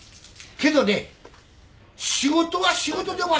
けどね仕事は仕事でおまっせ。